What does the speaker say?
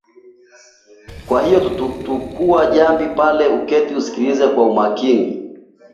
Kwa hiyo tukua jambi palee uketi usikize kwa makini